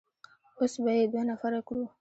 اوس به يې دوه نفره کړو.